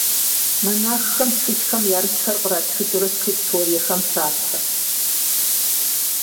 Монаххэм тхылъхэм ярытхэр къратхыкӏыурэ скрипториехэм тратхэрт.